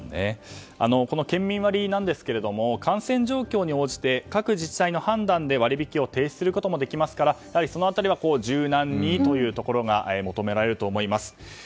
この県民割なんですが感染状況に応じて各自治体の判断で割引を停止することもできますからその辺りは柔軟にというところが求められると思います。